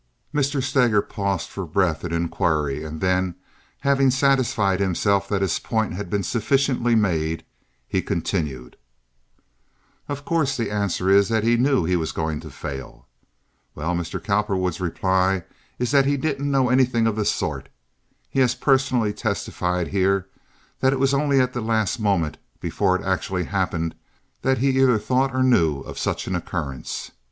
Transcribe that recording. Mr. Steger paused for breath and inquiry, and then, having satisfied himself that his point had been sufficiently made, he continued: "Of course the answer is that he knew he was going to fail. Well, Mr. Cowperwood's reply is that he didn't know anything of the sort. He has personally testified here that it was only at the last moment before it actually happened that he either thought or knew of such an occurrence.